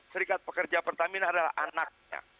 serikat pekerja pertamina adalah anaknya